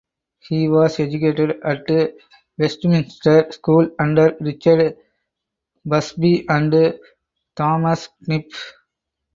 He was educated at Westminster School under Richard Busby and Thomas Knipe.